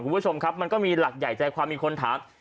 คุณผู้ชมครับมันก็มีหลักใหญ่ใจความมีคนถาม